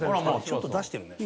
ちょっと出してるね。